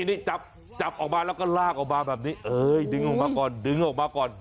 นี่จับจับออกมาแล้วก็ลากออกมาแบบนี้เดื้งออกมาก่อน